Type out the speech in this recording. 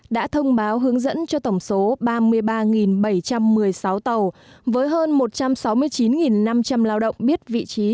đã thông báo hướng dẫn cho tổng số ba mươi ba bảy trăm một mươi sáu tàu với hơn một trăm sáu mươi chín năm trăm linh lao động biết vị trí